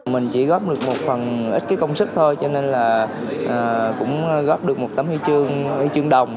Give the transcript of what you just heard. mình chỉ góp được một phần ít công sức thôi cho nên là cũng góp được một tấm hư chương đồng